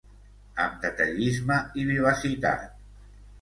Amb detallisme i vivacitat.